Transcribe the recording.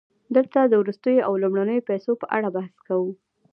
دلته د وروستیو او لومړنیو پیسو په اړه بحث کوو